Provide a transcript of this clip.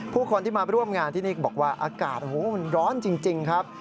ผู้คนที่มาร่วมงานที่นี่บอกว่าอากาศมันร้อนจริงครับ